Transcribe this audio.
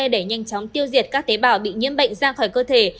để nhanh chóng tiêu diệt các tế bào bị nhiễm bệnh ra khỏi cơ thể